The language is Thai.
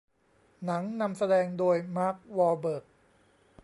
หนังนำแสดงโดย มาร์ค วอห์ลเบิร์ก